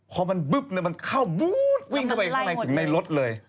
พอมันบึ๊บมันเข้าบู๊ดวิ่งเข้าไปข้างในถึงในรถเลย